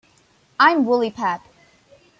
I'm Willie Pep.